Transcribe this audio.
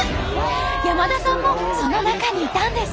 山田さんもその中にいたんです。